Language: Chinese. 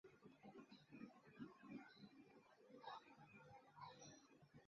游戏的分级标志会加在包装外面和网站中。